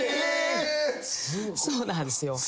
そうなんですよ。